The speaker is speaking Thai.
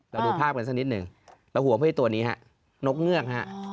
เราดูภาพกันสักนิดหนึ่งเราหวงเพื่ออีกตัวนี้นกเงือก